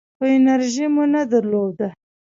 خو انرژي مو نه درلوده .